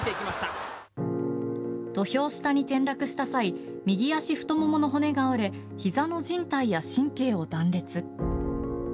土俵下に転落した際、右足太ももの骨が折れ、ひざのじん帯や神経を断裂。